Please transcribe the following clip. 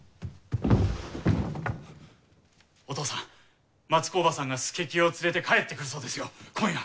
お父さん松子伯母さんが佐清を連れて帰って来るそうですよ今夜！